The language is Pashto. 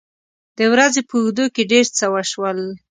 د ورځې په اوږدو کې ډېر څه وشول.